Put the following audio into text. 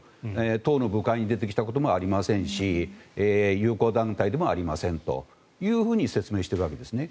党の部会に出てきたこともありませんし友好団体でもありませんというふうに説明しているわけですね。